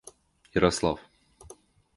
Ярослав